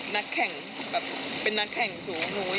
นักแข่งเป็นนักแข่งสูงหนู